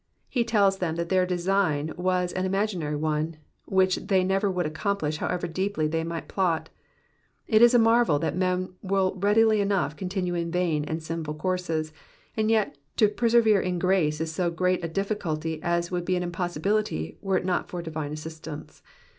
He tells them that their design was an imaginary one, which they never could accomplish however deeply they might plot. It is a marvel that men will readily enough continue in vain and sinful courses, and yet to persevere in grace is so great a difficulty as to be an impossibility, were it not for divine assistance.